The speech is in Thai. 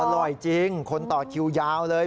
อร่อยจริงคนต่อคิวยาวเลย